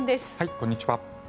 こんにちは。